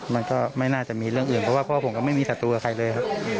มันก็ไม่น่าจะมีเรื่องอื่นเพราะว่าพ่อผมก็ไม่มีศัตรูกับใครเลยครับ